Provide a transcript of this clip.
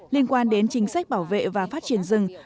liên quan đến chính sách bảo vệ và phát triển rừng